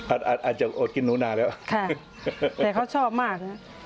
อาจจะโอดกินหนูนาแล้วค่ะแต่เขาชอบมากนะ